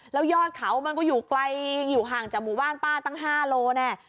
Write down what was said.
แล้วยอดเขามันก็อยู่ไกลอยู่ห่างจากหมู่บ้านป้าตั้ง๕โลแน่